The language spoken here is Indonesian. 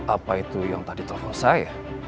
apa itu yang tadi telepon saya